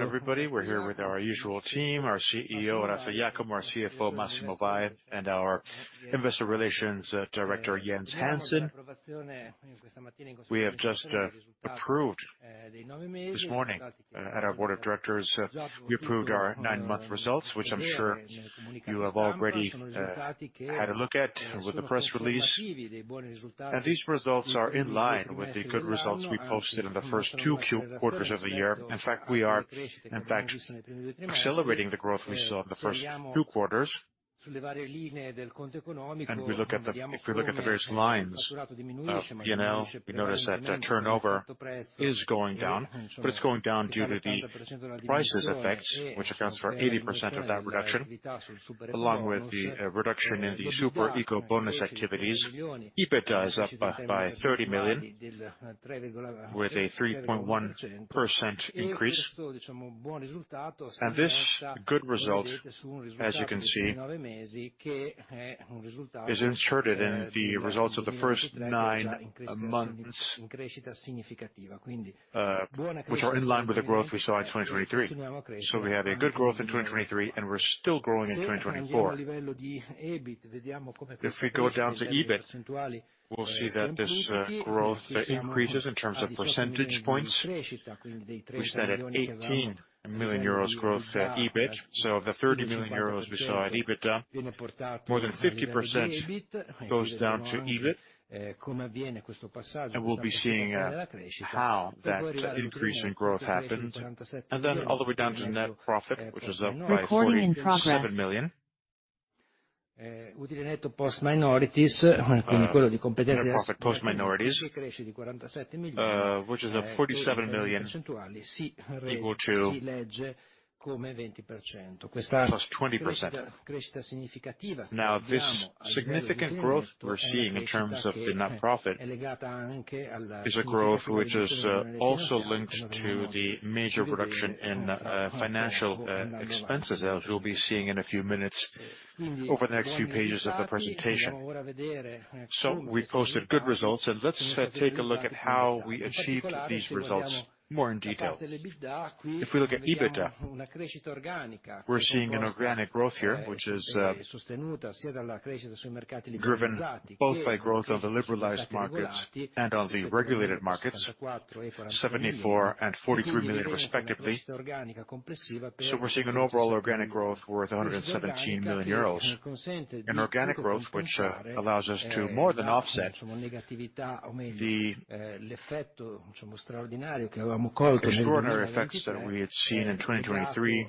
Everybody, we're here with our usual team, our CEO, Orazio Iacono, our CFO, Massimo Vai, and our Investor Relations Director, Jens Hansen. We have just approved this morning at our Board of Directors. We approved our nine-month results, which I'm sure you have already had a look at with the press release. These results are in line with the good results we posted in the first two quarters of the year. In fact, we are accelerating the growth we saw in the first two quarters. If we look at the various lines of P&L, we notice that turnover is going down, but it's going down due to the prices' effects, which accounts for 80% of that reduction, along with the reduction in the super ecobonus activities. EBITDA is up by 30 million, with a 3.1% increase. This good result, as you can see, is inserted in the results of the first nine months, which are in line with the growth we saw in 2023. We have a good growth in 2023, and we're still growing in 2024. If we go down to EBIT, we'll see that this growth increases in terms of percentage points. We started at 18 million euros growth at EBIT. Of the 30 million euros we saw at EBITDA, more than 50% goes down to EBIT, and we'll be seeing how that increase in growth happened. All the way down to net profit, which is up by 47 million, which is a EUR 47 million equal to 20%. Now, this significant growth we're seeing in terms of the net profit is a growth which is also linked to the major reduction in financial expenses, as we'll be seeing in a few minutes over the next few pages of the presentation. So we posted good results, and let's take a look at how we achieved these results more in detail. If we look at EBITDA, we're seeing an organic growth here, which is driven both by growth on the liberalized markets and on the regulated markets, 74 million and 43 million respectively. We're seeing an overall organic growth worth 117 million euros, an organic growth which allows us to more than offset the extraordinary effects that we had seen in 2023,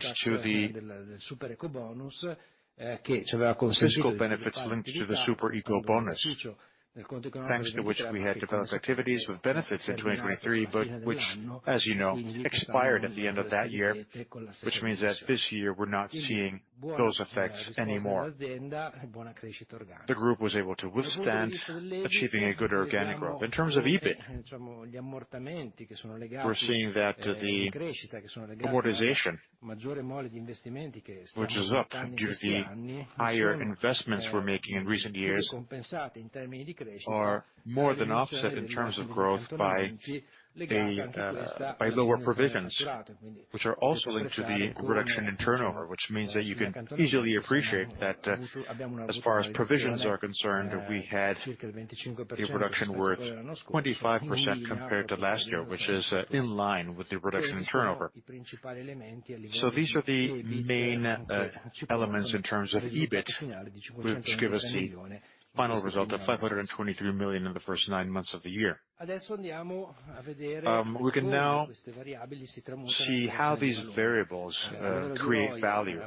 thanks to the super ecobonus that's linked to the super ecobonus, thanks to which we had developed activities with benefits in 2023, but which, as you know, expired at the end of that year, which means that this year we're not seeing those effects anymore. The group was able to withstand achieving a good organic growth. In terms of EBIT, we're seeing that the amortization, which is up due to the higher investments we're making in recent years, are more than offset in terms of growth by lower provisions, which are also linked to the reduction in turnover, which means that you can easily appreciate that as far as provisions are concerned, we had a reduction worth 25% compared to last year, which is in line with the reduction in turnover. So these are the main elements in terms of EBIT, which give us the final result of 523 million in the first nine months of the year. We can now see how these variables create value.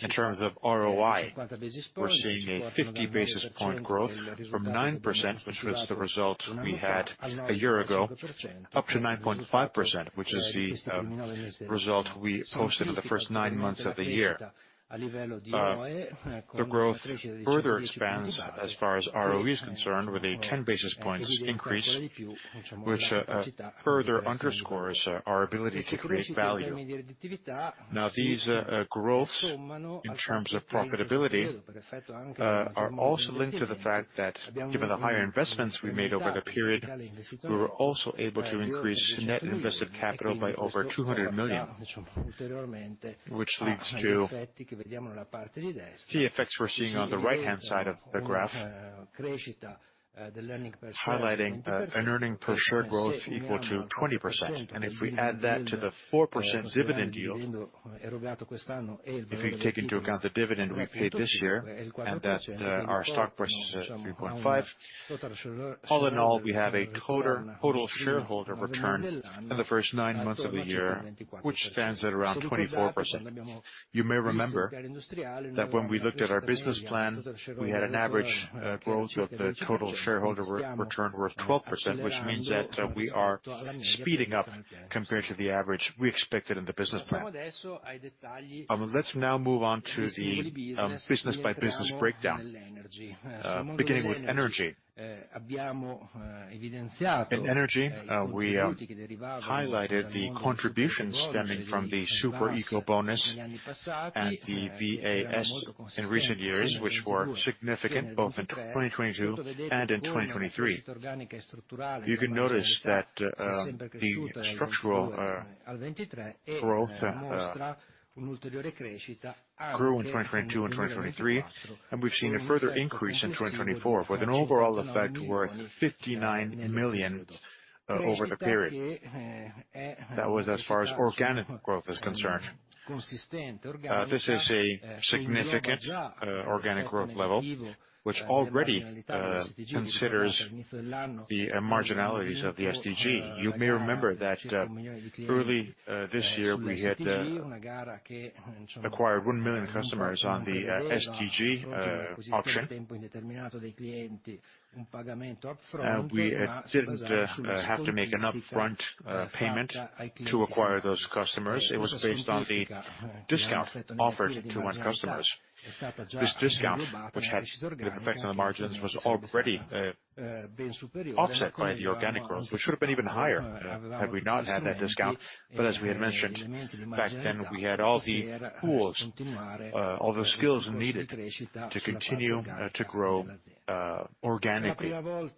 In terms of ROI, we're seeing a 50 basis point growth from 9%, which was the result we had a year ago, up to 9.5%, which is the result we posted in the first nine months of the year. The growth further expands as far as ROE is concerned, with a 10 basis points increase, which further underscores our ability to create value. Now, these growths in terms of profitability are also linked to the fact that, given the higher investments we made over the period, we were also able to increase net invested capital by over 200 million, which leads to the effects we're seeing on the right-hand side of the graph, highlighting an earnings per share growth equal to 20%, and if we add that to the 4% dividend yield, if we take into account the dividend we paid this year and that our stock price is at 3.5, all in all, we have a total shareholder return in the first nine months of the year, which stands at around 24%. You may remember that when we looked at our business plan, we had an average growth of the total shareholder return worth 12%, which means that we are speeding up compared to the average we expected in the business plan. Let's now move on to the business-by-business breakdown, beginning with energy. In energy, we highlighted the contributions stemming from the super ecobonus and the VAS in recent years, which were significant both in 2022 and in 2023. You can notice that the structural growth grew in 2022 and 2023, and we've seen a further increase in 2024, with an overall effect worth 59 million over the period. That was as far as organic growth is concerned. This is a significant organic growth level, which already considers the marginalities of the STG. You may remember that early this year we had acquired 1 million customers on the STG auction. We didn't have to make an upfront payment to acquire those customers. It was based on the discount offered to our customers. This discount, which had an effect on the margins, was already offset by the organic growth, which would have been even higher had we not had that discount. But as we had mentioned back then, we had all the tools, all the skills needed to continue to grow organically. For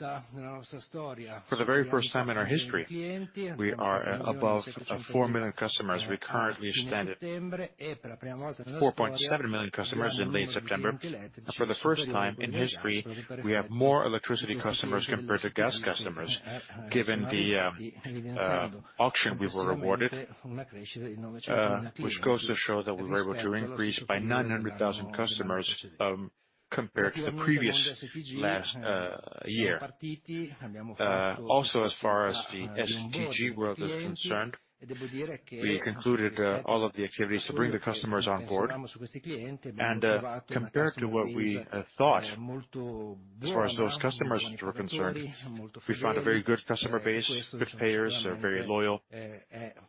the very first time in our history, we are above 4 million customers. We currently stand at 4.7 million customers in late September. For the first time in history, we have more electricity customers compared to gas customers, given the auction we were awarded, which goes to show that we were able to increase by 900,000 customers compared to the previous last year. Also, as far as the STG world is concerned, we concluded all of the activities to bring the customers on board, and compared to what we thought as far as those customers were concerned, we found a very good customer base, good payers, very loyal,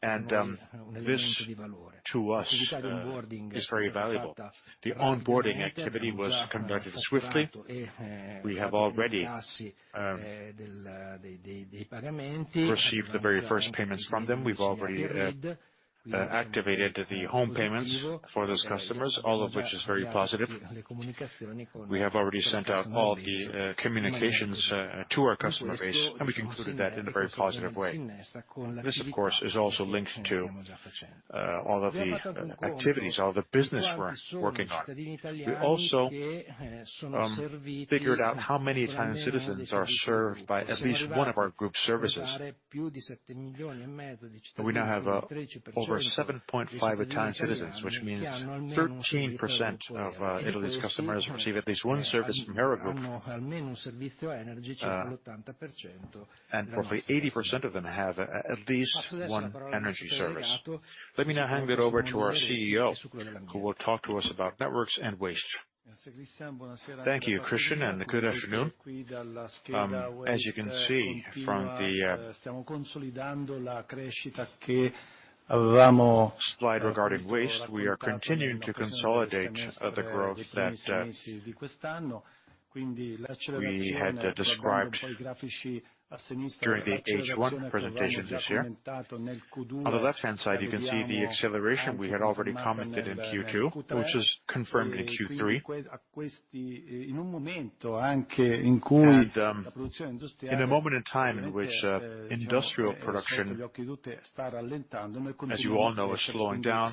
and this to us is very valuable. The onboarding activity was conducted swiftly. We have already received the very first payments from them. We've already activated the home payments for those customers, all of which is very positive. We have already sent out all the communications to our customer base, and we concluded that in a very positive way. This, of course, is also linked to all of the activities, all of the business we're working on. We also figured out how many Italian citizens are served by at least one of our group services. We now have over 7.5 million Italian citizens, which means 13% of Italy's population receive at least one service from our group, and roughly 80% of them have at least one energy service. Let me now hand it over to our CEO, who will talk to us about networks and waste. Thank you, Cristian, and good afternoon. As you can see from the slide regarding waste, we are continuing to consolidate the growth that we had described during the H1 presentation this year. On the left-hand side, you can see the acceleration we had already commented in Q2, which was confirmed in Q3, and in a moment in time in which industrial production, as you all know, is slowing down,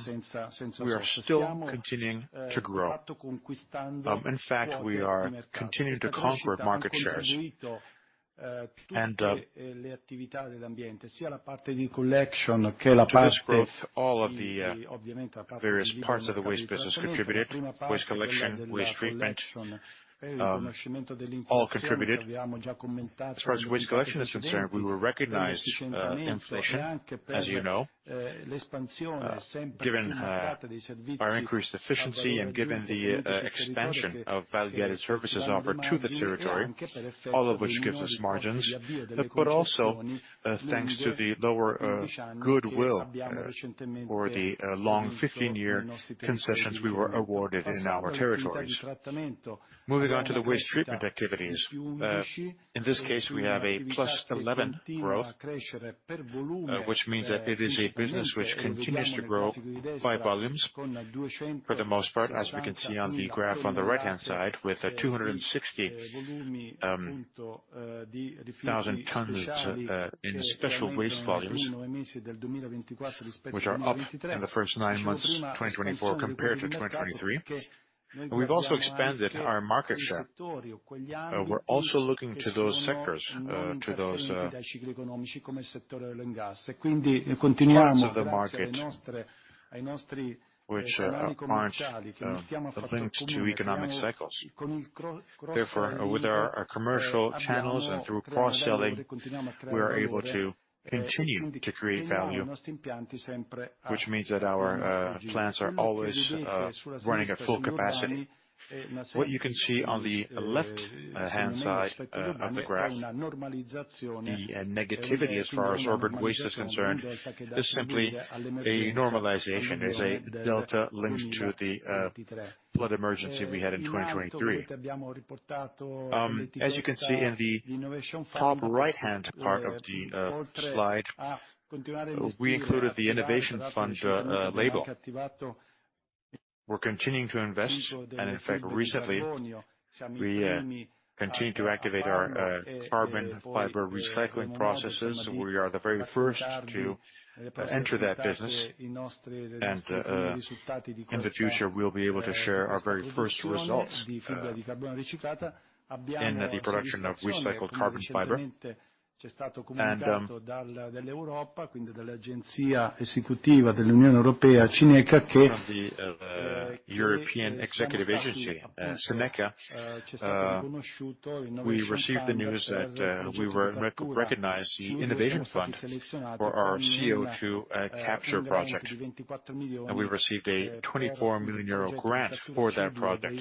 we are still continuing to grow. In fact, we are continuing to conquer market shares. All of the various parts of the waste business contributed: waste collection, waste treatment, all contributed. As far as waste collection is concerned, we were recognized in inflation, as you know, given our increased efficiency and given the expansion of value-added services offered to the territory, all of which gives us margins, but also thanks to the lower goodwill for the long 15-year concessions we were awarded in our territories. Moving on to the waste treatment activities. In this case, we have a +11 growth, which means that it is a business which continues to grow by volumes for the most part, as we can see on the graph on the right-hand side, with 260,000 tons in special waste volumes, which are up in the first nine months of 2024 compared to 2023. We've also expanded our market share. We're also looking to those sectors, to those sectors of the market, which aren't linked to economic cycles. Therefore, with our commercial channels and through cross-selling, we are able to continue to create value, which means that our plants are always running at full capacity. What you can see on the left-hand side of the graph, the negativity as far as urban waste is concerned, is simply a normalization. There's a delta linked to the flood emergency we had in 2023. As you can see in the top right-hand part of the slide, we included the Innovation Fund label. We're continuing to invest, and in fact, recently, we continue to activate our carbon fiber recycling processes. We are the very first to enter that business, and in the future, we'll be able to share our very first results in the production of recycled carbon fiber. We received the news that we were recognized by the Innovation Fund for our CO2 capture project, and we received a 24 million euro grant for that project,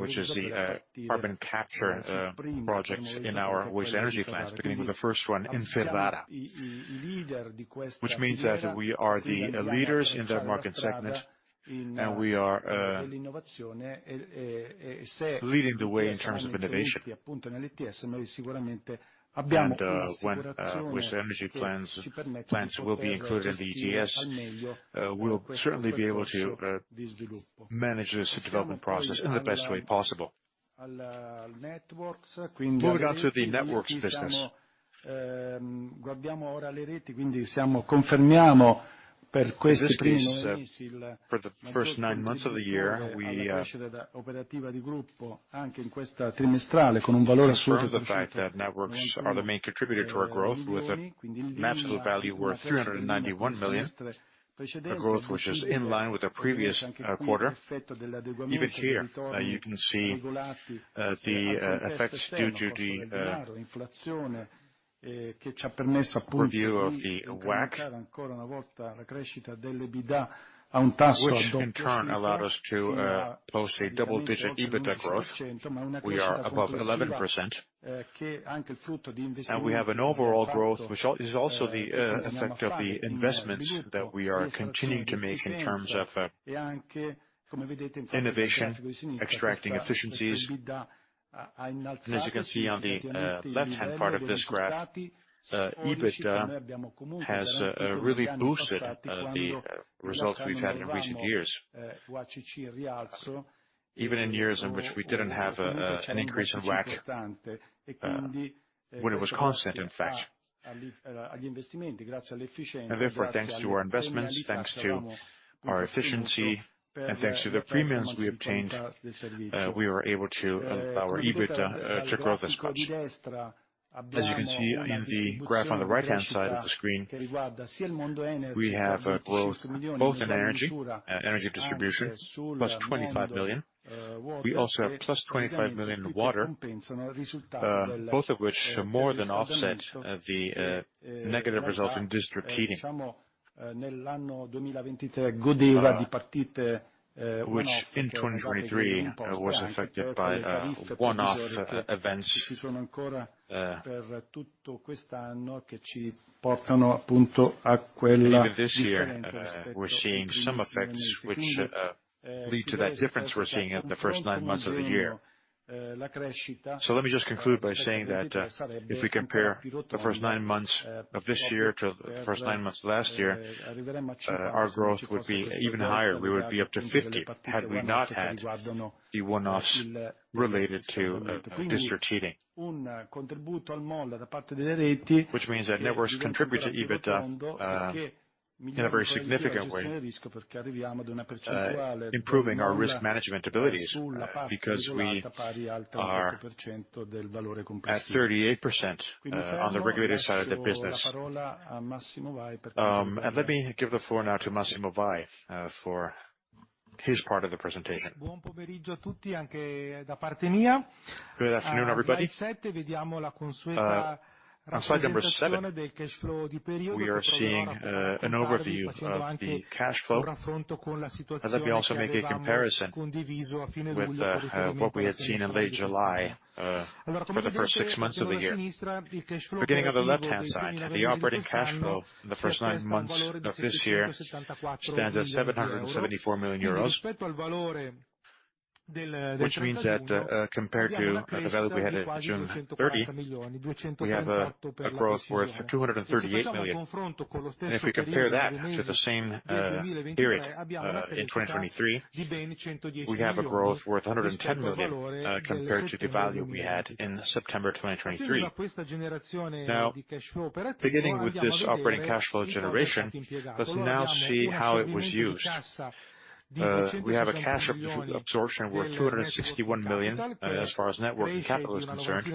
which is the carbon capture project in our waste-to-energy plants, beginning with the first one in Ferrara, which means that we are the leaders in that market segment and we are leading the way in terms of innovation. When waste-to-energy plants will be included in the ETS, we will certainly be able to manage this development process in the best way possible. Moving on to the networks business. For the first nine months of the year, we operated in a trimestral way with the fact that networks are the main contributor to our growth, with a maximum value worth 391 million, a growth which is in line with the previous quarter. Even here, you can see the effects due to the review of the WACC, which in turn allowed us to post a double-digit EBITDA growth. We are above 11%, and we have an overall growth, which is also the effect of the investments that we are continuing to make in terms of innovation, extracting efficiencies, and as you can see on the left-hand part of this graph, EBITDA has really boosted the results we've had in recent years, even in years in which we didn't have an increase in WACC when it was constant, in fact, and therefore, thanks to our investments, thanks to our efficiency, and thanks to the premiums we obtained, we were able to allow our EBITDA to grow this much. As you can see in the graph on the right-hand side of the screen, we have growth both in energy, energy distribution, +25 million. We also have 25 million in water, both of which more than offset the negative result in district heating, which in 2023 was affected by one-off events that we're seeing this year. We're seeing some effects which lead to that difference we're seeing in the first nine months of the year, so let me just conclude by saying that if we compare the first nine months of this year to the first nine months last year, our growth would be even higher. We would be up to 50 had we not had the one-offs related to district heating, which means that networks contribute to EBITDA in a very significant way, improving our risk management abilities because we are at 38% on the regulated side of the business, and let me give the floor now to Massimo Vai for his part of the presentation. On slide number seven, we are seeing an overview of the cash flow and then we also make a comparison with what we had seen in late July for the first six months of the year. Beginning on the left-hand side, the operating cash flow in the first nine months of this year stands at 774 million euros, which means that compared to the value we had in June 30, we have a growth worth 238 million, and if we compare that to the same period in 2023, we have a growth worth 110 million euro compared to the value we had in September 2023. Now, beginning with this operating cash flow generation, let's now see how it was used. We have a cash absorption worth 261 million as far as net working capital is concerned,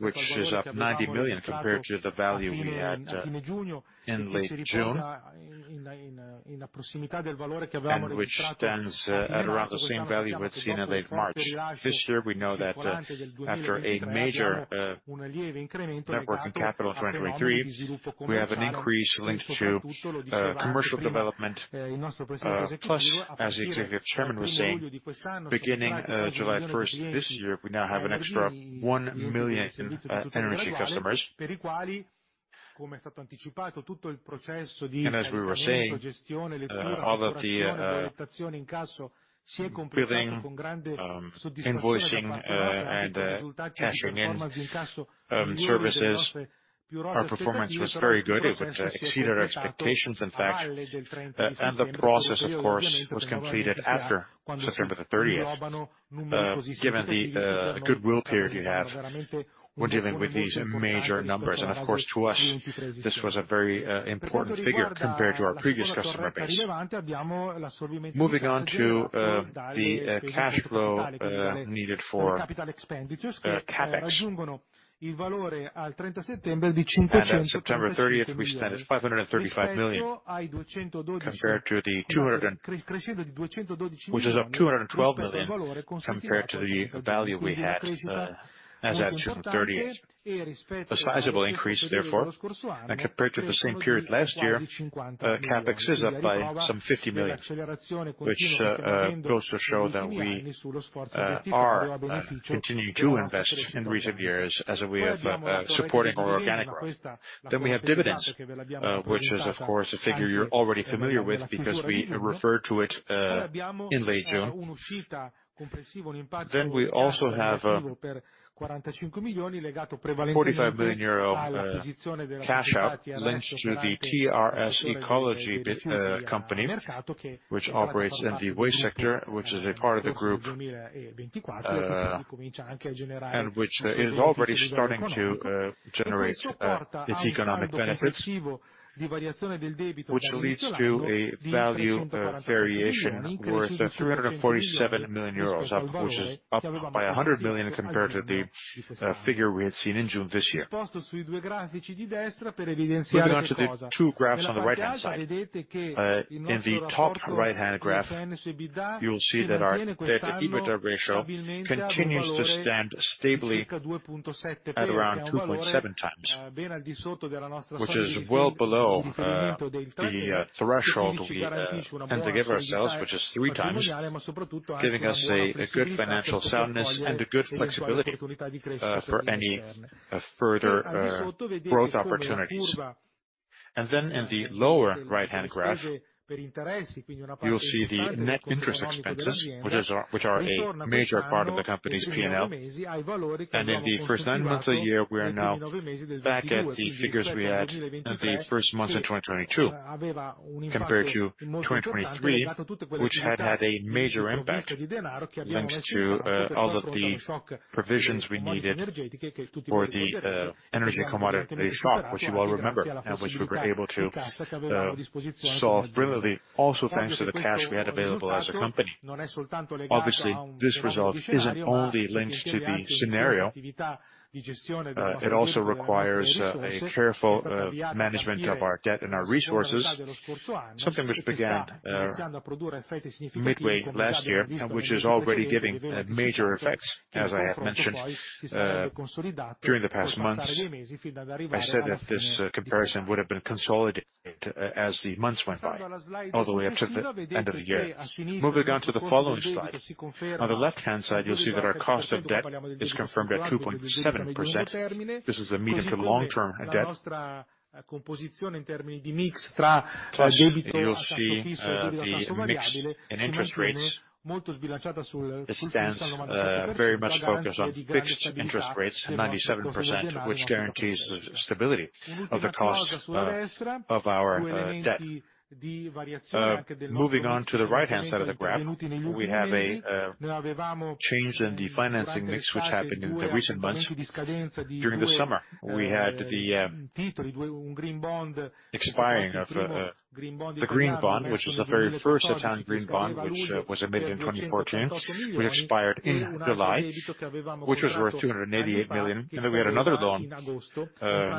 which is up 90 million compared to the value we had in late June, and which stands at around the same value we had seen in late March. This year, we know that after a major net working capital in 2023, we have an increase linked to commercial development. Plus, as the executive chairman was saying, beginning July 1st this year, we now have an extra one million energy customers. And as we were saying, all of the invoicing and cashing in services, our performance was very good. It would exceed our expectations, in fact. And the process, of course, was completed after September 30th, given the goodwill period we have when dealing with these major numbers. And of course, to us, this was a very important figure compared to our previous customer base. Moving on to the cash flow needed for CapEx, at September 30th, we stand at 535 million compared to the 212 million, which is up 212 million compared to the value we had as of June 30th. A sizable increase, therefore, and compared to the same period last year, CapEx is up by some 50 million, which goes to show that we are continuing to invest in recent years as a way of supporting our organic growth. Then we have dividends, which is, of course, a figure you're already familiar with because we referred to it in late June. We also have EUR 45 million cash out linked to the TRS Ecology company, which operates in the waste sector, which is a part of the group, and which is already starting to generate its economic benefits, which leads to a value variation worth 347 million euros, which is up by 100 million compared to the figure we had seen in June this year. Moving on to the two graphs on the right-hand side. In the top right-hand graph, you will see that our EBITDA ratio continues to stand stably at around 2.7 times, which is well below the threshold we aim to give ourselves, which is three times, giving us a good financial soundness and a good flexibility for any further growth opportunities. Then in the lower right-hand graph, you will see the net interest expenses, which are a major part of the company's P&L. And in the first nine months of the year, we are now back at the figures we had in the first months in 2022 compared to 2023, which had had a major impact linked to all of the provisions we needed for the energy commodity stock, which you all remember, and which we were able to solve brilliantly, also thanks to the cash we had available as a company. Obviously, this result isn't only linked to the scenario. It also requires a careful management of our debt and our resources, something which began midway last year, which is already giving major effects, as I have mentioned during the past months. I said that this comparison would have been consolidated as the months went by, all the way up to the end of the year. Moving on to the following slide. On the left-hand side, you'll see that our cost of debt is confirmed at 2.7%. This is the medium to long-term debt. You'll see the mixed interest rates stand very much focused on fixed interest rates, 97%, which guarantees the stability of the cost of our debt. Moving on to the right-hand side of the graph, we have a change in the financing mix which happened in the recent months. During the summer, we had the expiring of the green bond, which was the very first Italian green bond which was emitted in 2014, which expired in July, which was worth 288 million, and then we had another loan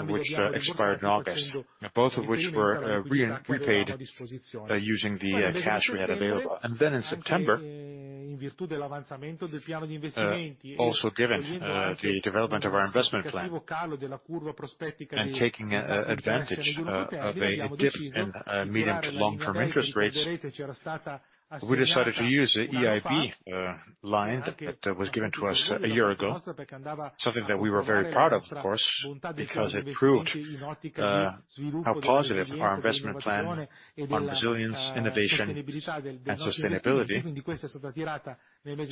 which expired in August, both of which were repaid using the cash we had available. Then in September, also given the development of our investment plan and taking advantage of a dip in medium to long-term interest rates, we decided to use the EIB line that was given to us a year ago, something that we were very proud of, of course, because it proved how positive our investment plan on resilience, innovation, and sustainability was.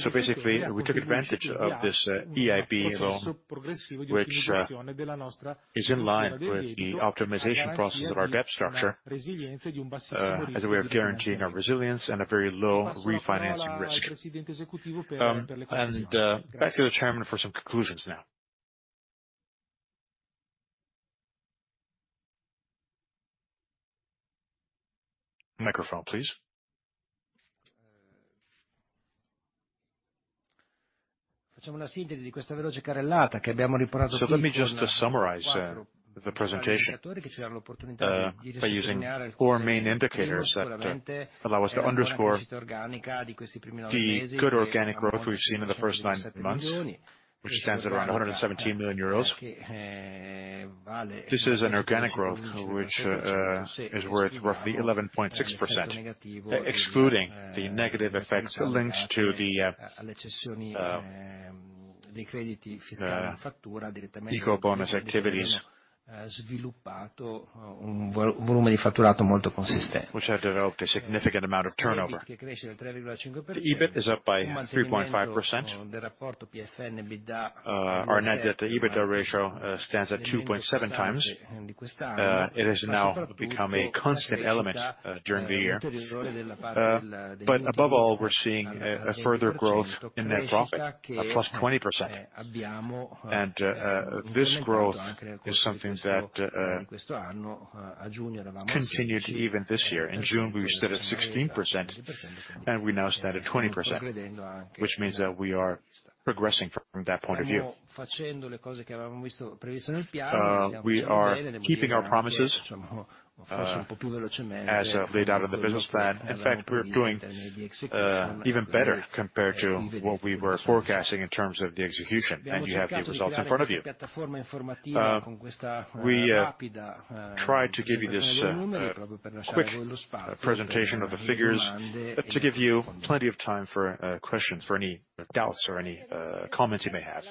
So basically, we took advantage of this EIB loan, which is in line with the optimization process of our debt structure, as a way of guaranteeing our resilience and a very low refinancing risk. And back to the chairman for some conclusions now. Microphone, please. So let me just summarize the presentation. By using four main indicators that allow us to underscore the good organic growth we've seen in the first nine months, which stands at around 117 million euros. This is an organic growth which is worth roughly 11.6%, excluding the negative effects linked to the Ecobonus activities, which have developed a significant amount of turnover. The EBIT is up by 3.5%. Our net debt to EBITDA ratio stands at 2.7 times. It has now become a constant element during the year. But above all, we're seeing a further growth in net profit, +20%. And this growth is something that continued even this year. In June, we were still at 16%, and we now stand at 20%, which means that we are progressing from that point of view. We are keeping our promises as laid out in the business plan. In fact, we're doing even better compared to what we were forecasting in terms of the execution. And you have the results in front of you. We tried to give you this quick presentation of the figures to give you plenty of time for questions, for any doubts, or any comments you may have.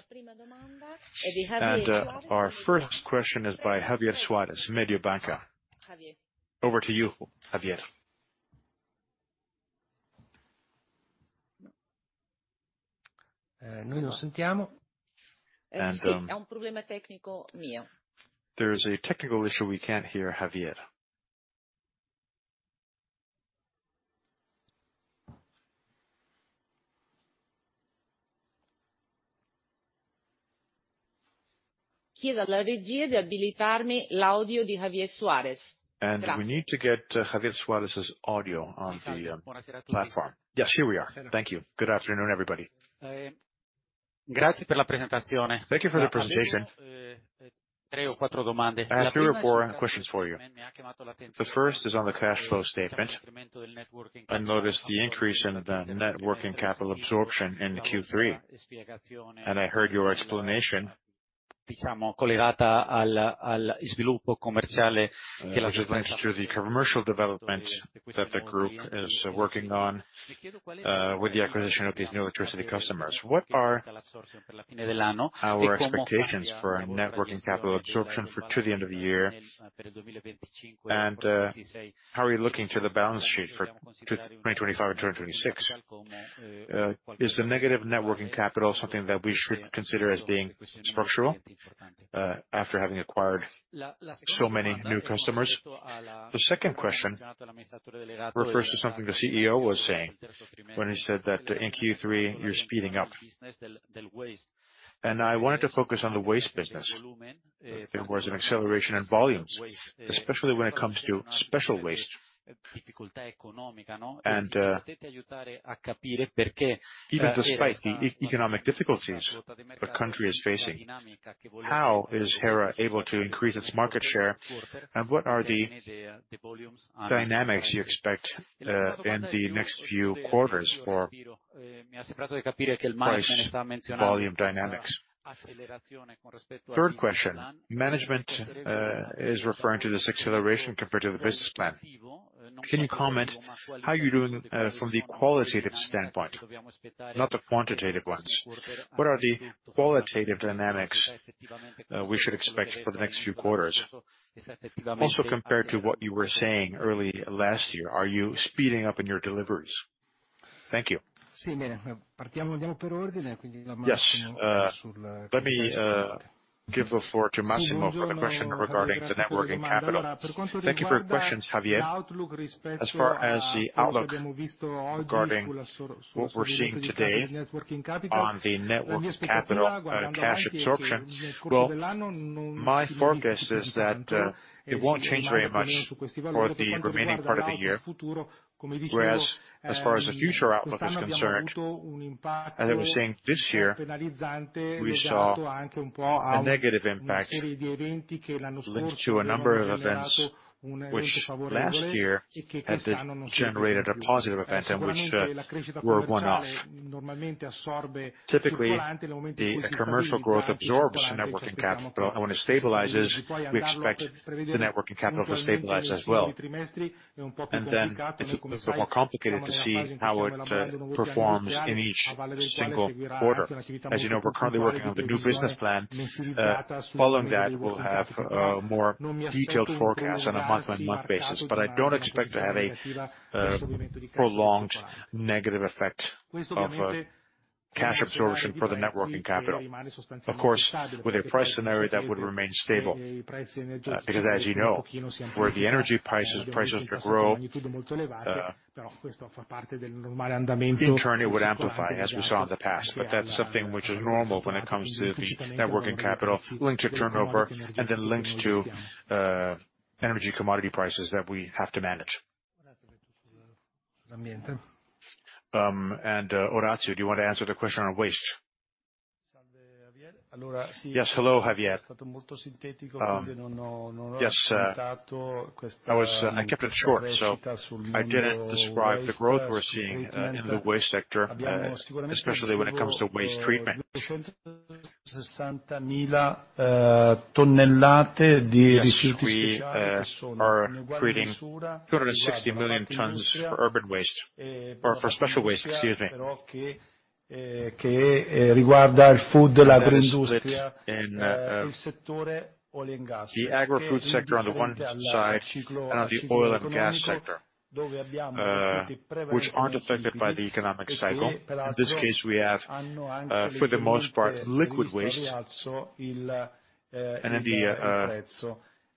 And our first question is by Javier Suárez, Mediobanca. Over to you, Javier. There is a technical issue we can't hear, Javier. And we need to get Javier Suárez's audio on the platform. Yes, here we are. Thank you. Good afternoon, everybody. Thank you for the presentation. I have three or four questions for you. The first is on the cash flow statement. I noticed the increase in the net working capital absorption in Q3, and I heard your explanation which is linked to the commercial development that the group is working on with the acquisition of these new electricity customers. What are our expectations for net working capital absorption to the end of the year? And how are you looking to the balance sheet for 2025 and 2026? Is the negative net working capital something that we should consider as being structural after having acquired so many new customers? The second question refers to something the CEO was saying when he said that in Q3 you're speeding up. And I wanted to focus on the waste business. There was an acceleration in volumes, especially when it comes to special waste. And even despite the economic difficulties the country is facing, how is Hera able to increase its market share, and what are the dynamics you expect in the next few quarters for volume dynamics? Third question. Management is referring to this acceleration compared to the business plan. Can you comment on how you're doing from the qualitative standpoint, not the quantitative ones? What are the qualitative dynamics we should expect for the next few quarters? Also, compared to what you were saying early last year, are you speeding up in your deliveries? Thank you. Yes. Let me give the floor to Massimo for the question regarding the net working capital. Thank you for your questions, Javier. As far as the outlook regarding what we're seeing today on the net working capital cash absorption, well, my forecast is that it won't change very much for the remaining part of the year. Whereas as far as the future outlook is concerned, as I was saying this year, we saw a negative impact linked to a number of events which last year had generated a positive event and which were one-off. Typically, the commercial growth absorbs net working capital, and when it stabilizes, we expect the net working capital to stabilize as well. And then it's a bit more complicated to see how it performs in each single quarter. As you know, we're currently working on the new business plan. Following that, we'll have a more detailed forecast on a month-on-month basis. But I don't expect to have a prolonged negative effect of cash absorption for the net working capital. Of course, with a price scenario that would remain stable, because as you know, where the energy prices grow, in turn it would amplify, as we saw in the past. But that's something which is normal when it comes to the net working capital linked to turnover and then linked to energy commodity prices that we have to manage. And Orazio, do you want to answer the question on waste? Yes. Hello, Javier. I kept it short. So I didn't describe the growth we're seeing in the waste sector, especially when it comes to waste treatment.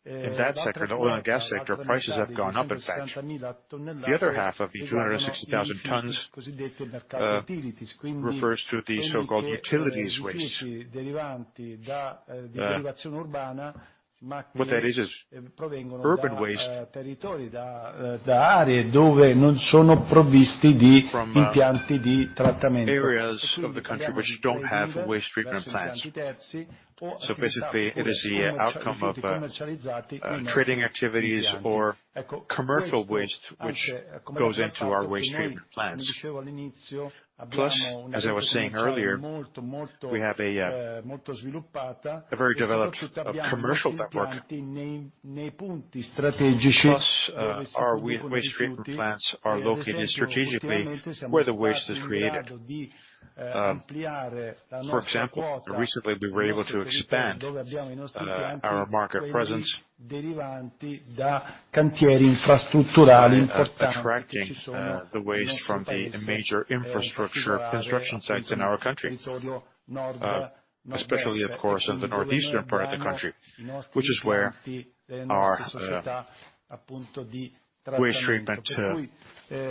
In that sector, the oil and gas sector prices have gone up, in fact. The other half of the 260,000 tons refers to the so-called utilities waste. What that is, is urban waste areas where there are no treatment plants or basically it is the outcome of trading activities or commercial waste which goes into our waste treatment plants. Plus, as I was saying earlier, we have a very developed commercial network. Plus, our waste treatment plants are located strategically where the waste is created. For example, recently we were able to expand our market presence attracting the waste from the major infrastructure construction sites in our country, especially, of course, in the northeastern part of the country, which is where our waste treatment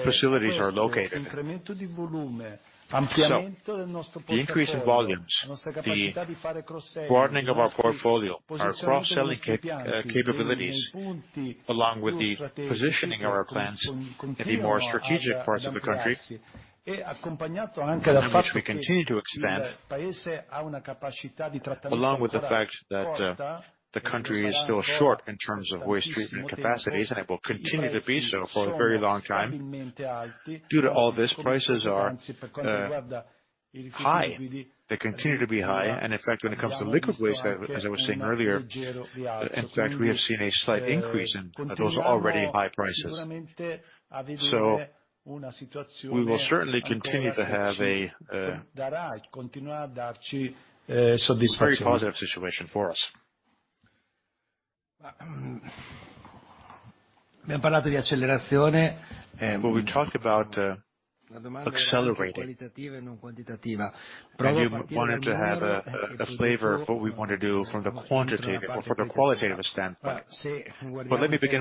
facilities are located. The increase in volumes, the broadening of our portfolio, our cross-selling capabilities, along with the positioning of our plants in the more strategic parts of the country, which we continue to expand, along with the fact that the country is still short in terms of waste treatment capacities, and it will continue to be so for a very long time. Due to all this, prices are high. They continue to be high. And in fact, when it comes to liquid waste, as I was saying earlier, in fact, we have seen a slight increase in those already high prices. So we will certainly continue to have a very positive situation for us. But let me begin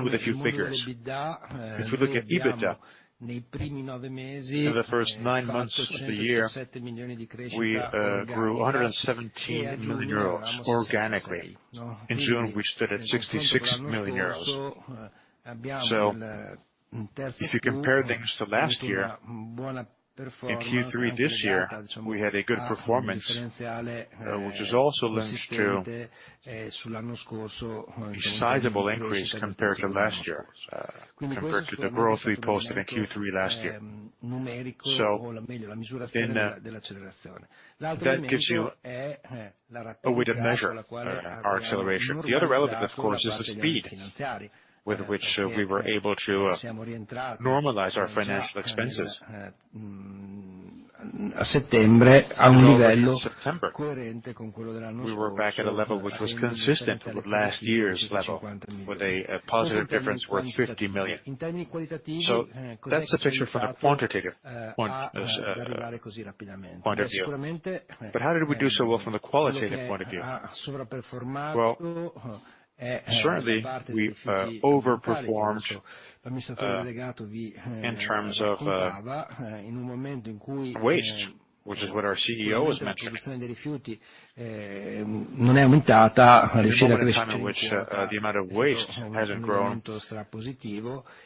with a few figures. If we look at EBITDA, in the first nine months of the year, we grew 117 million euros organically. In June, we stood at 66 million euros. So if you compare things to last year, in Q3 this year, we had a good performance, which is also linked to a sizable increase compared to last year, compared to the growth we posted in Q3 last year. So that gives you a way to measure our acceleration. The other element, of course, is the speed with which we were able to normalize our financial expenses in September. We were back at a level which was consistent with last year's level, with a positive difference worth 50 million. So that's the picture from the quantitative point of view. But how did we do so well from the qualitative point of view? Well, certainly, we've overperformed in terms of waste, which is what our CEO was mentioning. The amount of waste has grown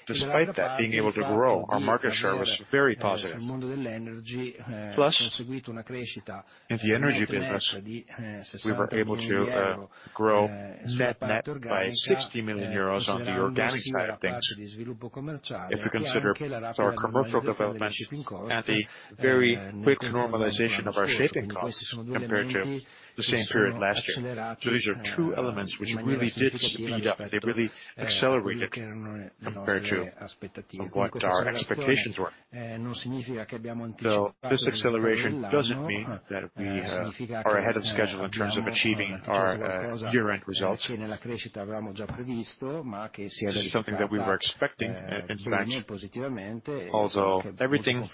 despite that being able to grow. Our market share was very positive. Plus, in the energy business, we were able to grow net by 60 million euros on the organic side of things, if we consider our commercial development and the very quick normalization of our shipping costs compared to the same period last year. So these are two elements which really did speed up. They really accelerated compared to what our expectations were. So this acceleration doesn't mean that we are ahead of schedule in terms of achieving our year-end results, although it's something that we were expecting, in fact. Although everything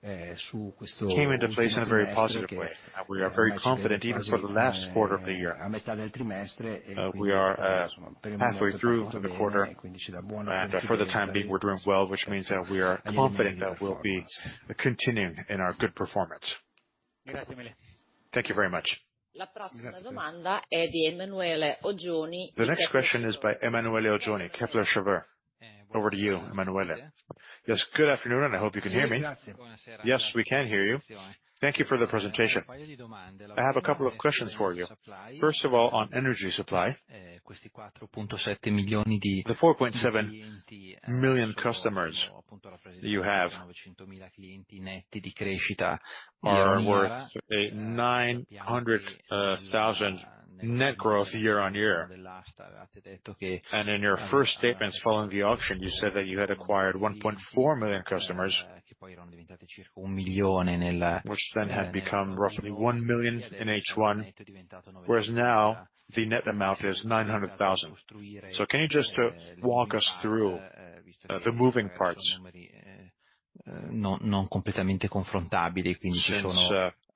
came into place in a very positive way. We are very confident, even for the last quarter of the year. We are halfway through the quarter, and for the time being, we're doing well, which means that we are confident that we'll be continuing in our good performance. Thank you very much. The next question is by Emanuele Oggioni, Kepler Cheuvreux. Over to you, Emanuele. Yes. Good afternoon, and I hope you can hear me. Yes, we can hear you. Thank you for the presentation. I have a couple of questions for you. First of all, on energy supply. The 4.7 million customers that you have, you saw 900,000 net growth year on year. And in your first statements following the auction, you said that you had acquired 1.4 million customers, which then had become roughly 1 million in H1, whereas now the net amount is 900,000. So can you just walk us through the moving parts?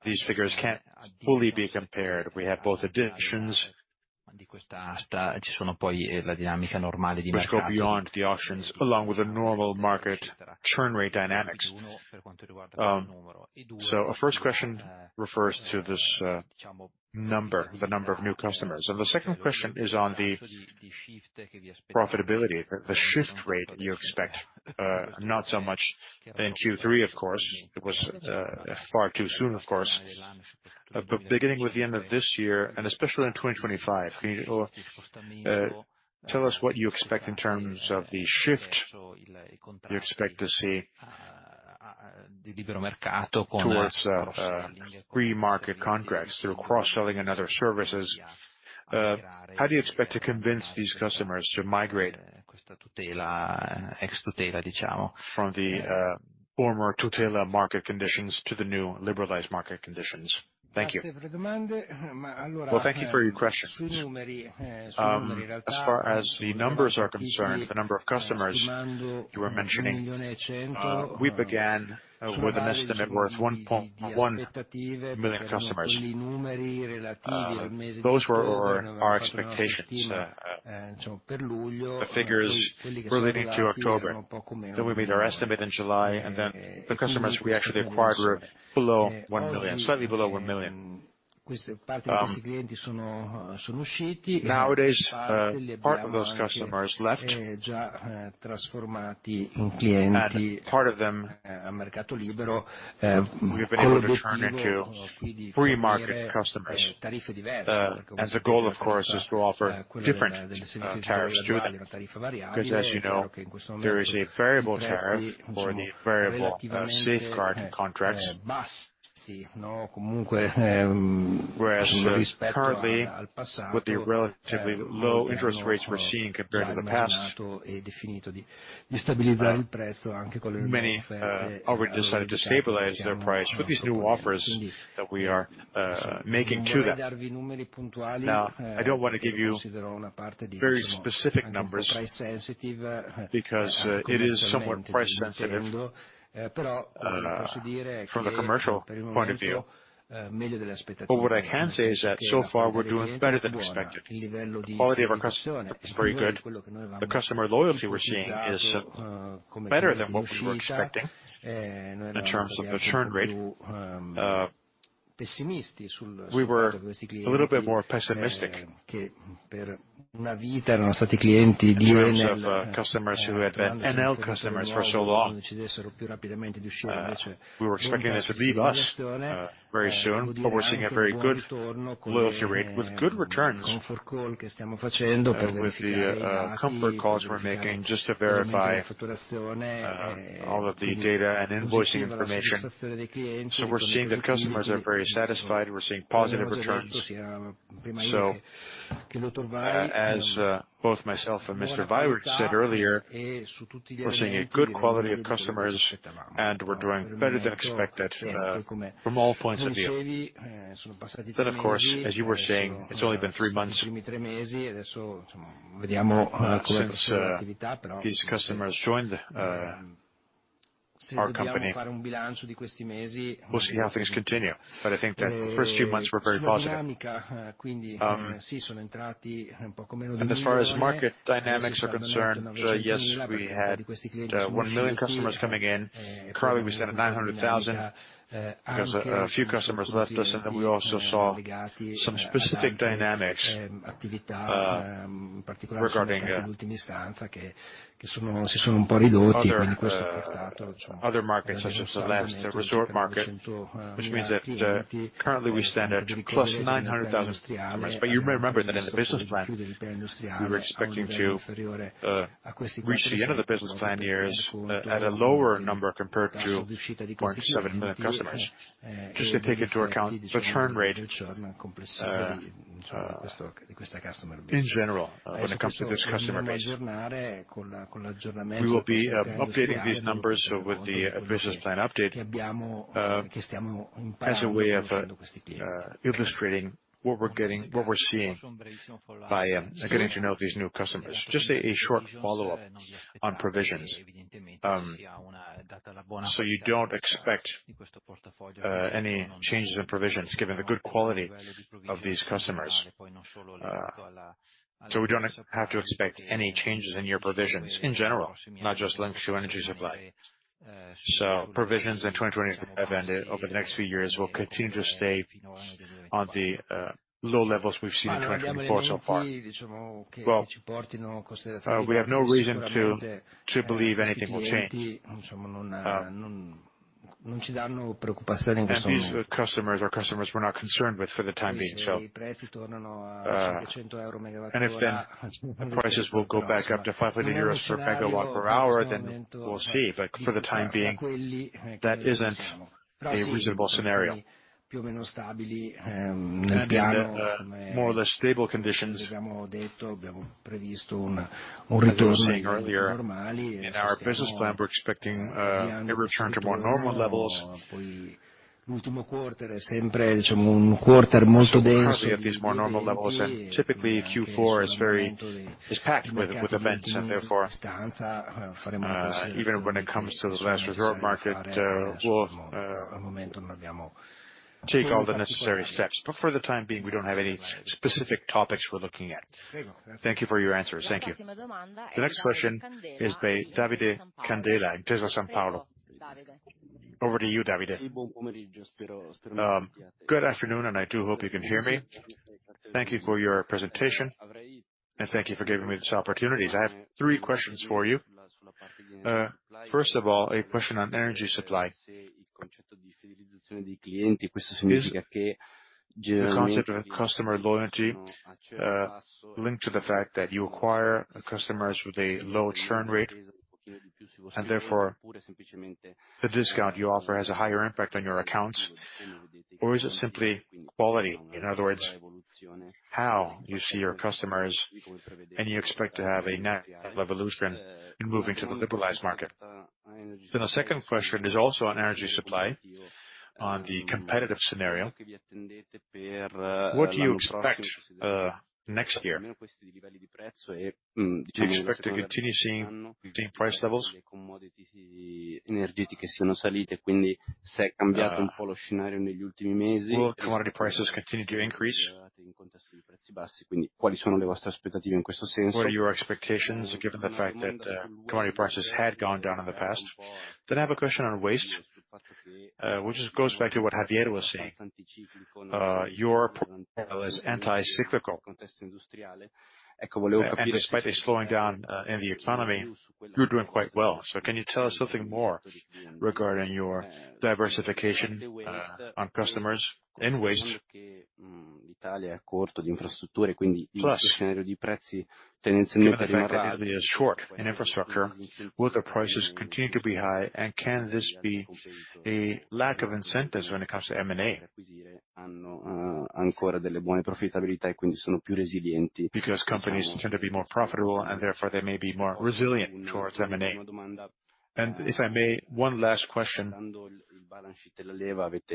These figures can't fully be compared. We have both additions. There's going to be a normal market churn rate dynamics. So our first question refers to this number, the number of new customers. The second question is on the profitability, the shift rate you expect, not so much in Q3, of course. It was far too soon, of course. Beginning with the end of this year, and especially in 2025, can you tell us what you expect in terms of the shift you expect to see towards free market contracts through cross-selling and other services? How do you expect to convince these customers to migrate from the former tutelato market conditions to the new liberalized market conditions? Thank you. Thank you for your question. As far as the numbers are concerned, the number of customers you were mentioning, we began with an estimate worth 1.1 million customers. Those were our expectations, the figures relating to October. Then we made our estimate in July, and then the customers we actually acquired were below 1 million, slightly below 1 million. Nowadays, part of those customers left and part of them will return into free market customers. As a goal, of course, is to offer different tariffs to them, because as you know, there is a variable tariff for the variable safeguard contracts. Whereas currently, with the relatively low interest rates we're seeing compared to the past, many have already decided to stabilize their price with these new offers that we are making to them. Now, I don't want to give you very specific numbers because it is somewhat price-sensitive. But from the commercial point of view, what I can say is that so far we're doing better than expected. Quality of our customer is very good. The customer loyalty we're seeing is better than what we were expecting in terms of the churn rate. We were a little bit more pessimistic. We were expecting this would leave us very soon, but we're seeing a very good loyalty rate with good returns, so we're seeing that customers are very satisfied. We're seeing positive returns, so as both myself and Mr. Iacono said earlier, we're seeing a good quality of customers, and we're doing better than expected from all points of view, then, of course, as you were saying, it's only been three months since these customers joined our company, we'll see how things continue, but I think that the first few months were very positive, and as far as market dynamics are concerned, yes, we had 1 million customers coming in. Currently, we stand at 900,000 because a few customers left us, and then we also saw some specific dynamics regarding that, in the last instance, that they have seen some units reduced. Other markets, such as the last resort market, which means that currently we stand at +900,000 customers. But you remember that in the business plan, we were expecting to reach the end of the business plan years at a lower number compared to 0.7 million customers, just to take into account the churn rate in general when it comes to this customer base. We will be updating these numbers with the business plan update as a way of illustrating what we're seeing by getting to know these new customers. Just a short follow-up on provisions. So you don't expect any changes in provisions given the good quality of these customers. So we don't have to expect any changes in your provisions in general, not just linked to energy supply. Provisions in 2025 and over the next few years will continue to stay on the low levels we've seen in 2024 so far. Well, we have no reason to believe anything will change. And if then prices will go back up to EUR 500 per megawatt per hour, then we'll see. But for the time being, that isn't a reasonable scenario. In our business plan, we're expecting a return to more normal levels, even when it comes to the last resort market. We'll take all the necessary steps. But for the time being, we don't have any specific topics we're looking at. Thank you for your answers. Thank you. The next question is by Davide Candela, in Intesa Sanpaolo. Over to you, Davide. Good afternoon, and I do hope you can hear me. Thank you for your presentation, and thank you for giving me this opportunity. I have three questions for you. First of all, a question on energy supply. The concept of customer loyalty linked to the fact that you acquire customers with a low churn rate, and therefore the discount you offer has a higher impact on your accounts, or is it simply quality? In other words, how you see your customers, and you expect to have a net revolution in moving to the liberalized market. Then the second question is also on energy supply, on the competitive scenario. What do you expect next year? Do you expect to continue seeing price levels? Quali sono le vostre aspettative in questo senso? Then I have a question on waste, which goes back to what Javier was saying. Yours as countercyclical. Despite a slowing down in the economy, you're doing quite well. So can you tell us something more regarding your diversification on customers and waste?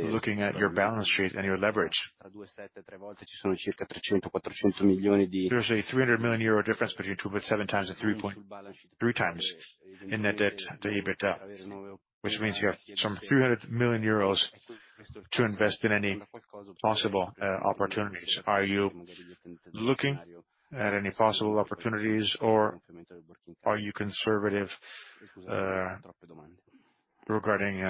Looking at your balance sheet and your leverage, there are circa EUR 300-EUR 400 million. There's a 300 million euro difference between 2.7 times and 3.3 times in net debt to EBITDA, which means you have some 300 million euros to invest in any possible opportunities. Are you looking at any possible opportunities, or are you conservative regarding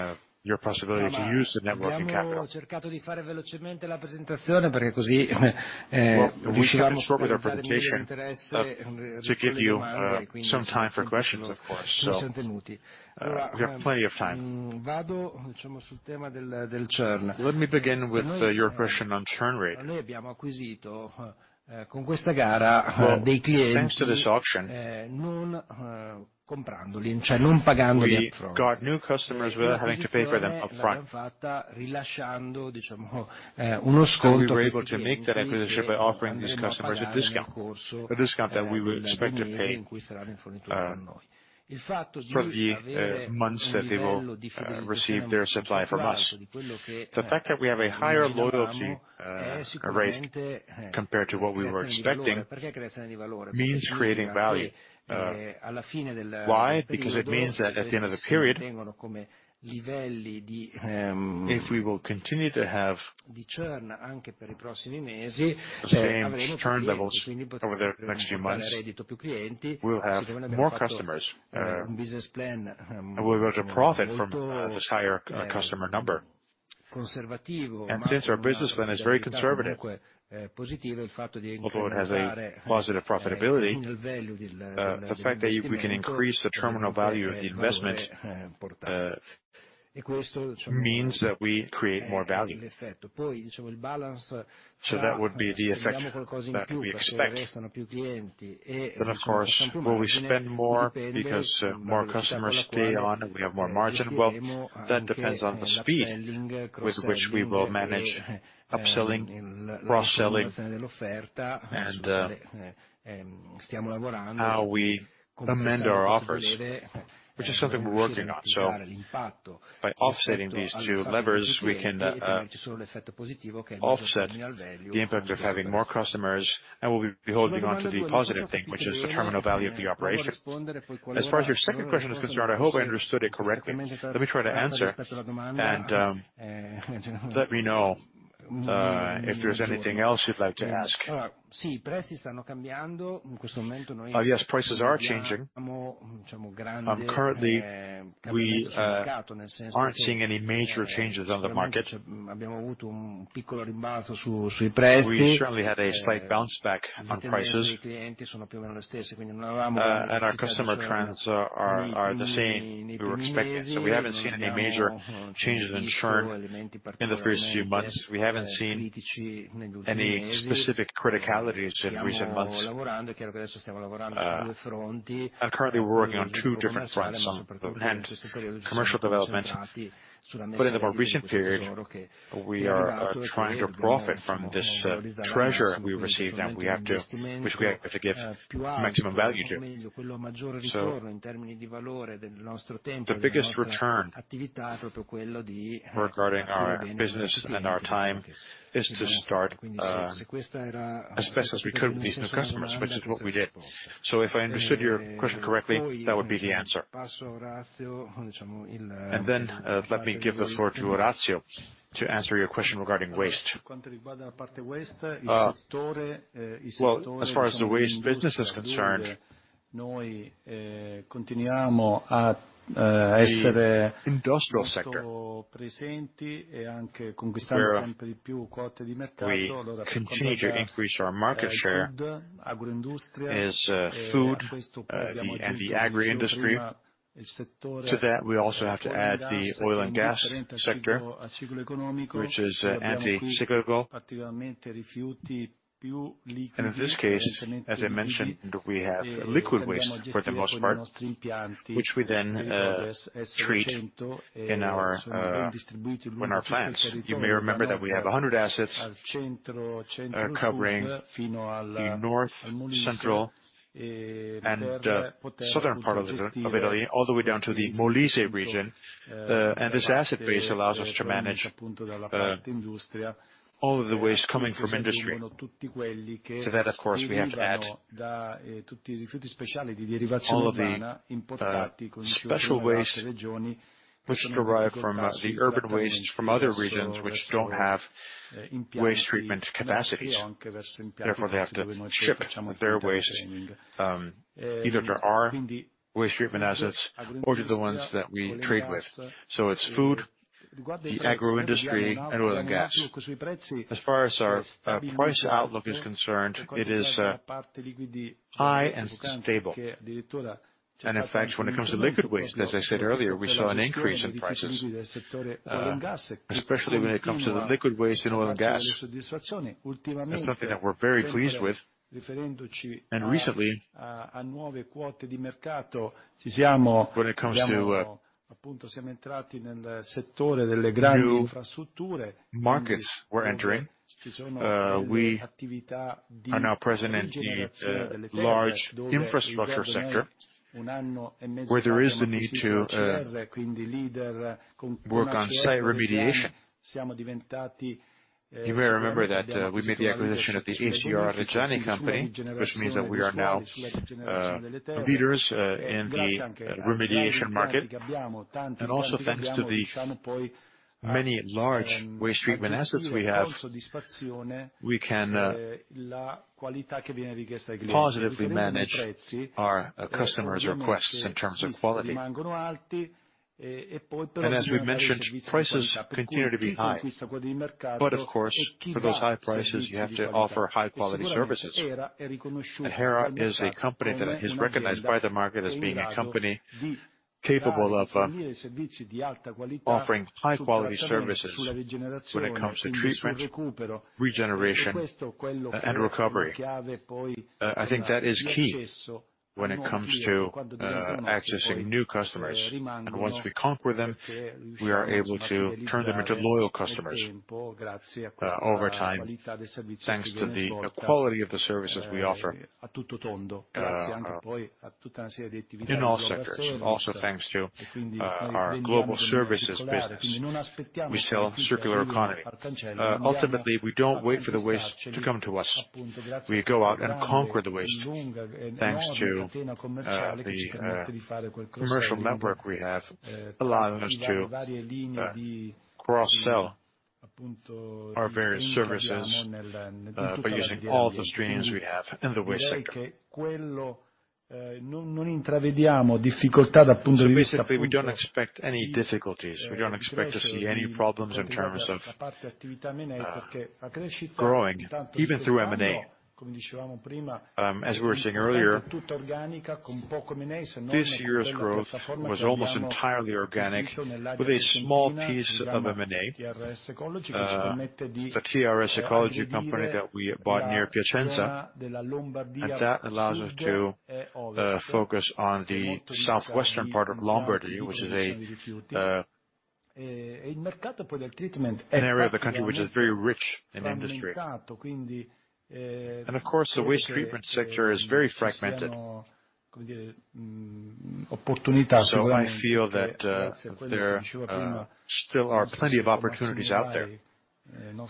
your possibility to use the net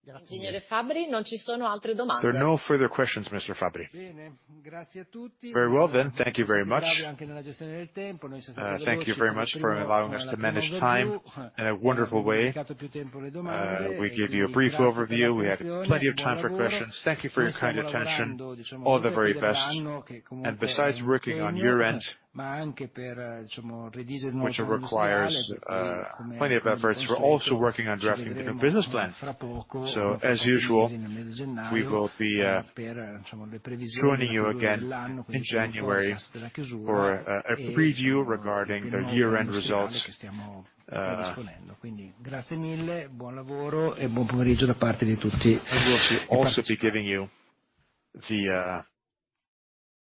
working capital?